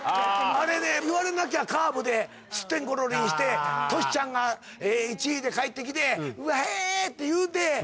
あれね言われなきゃカーブですってんころりんしてトシちゃんが１位で帰って来て「うへ」って言うて。